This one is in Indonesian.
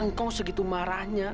engkau segitu marahnya